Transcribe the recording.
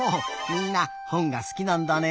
みんなほんがすきなんだね。